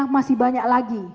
masih banyak lagi